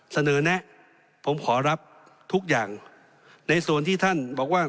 แนะผมขอรับทุกอย่างในส่วนที่ท่านบอกว่า